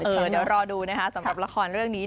เดี๋ยวรอดูนะคะสำหรับละครเรื่องนี้